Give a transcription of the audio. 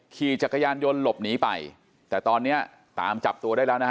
ขี่จักรยานยนต์หลบหนีไปแต่ตอนเนี้ยตามจับตัวได้แล้วนะฮะ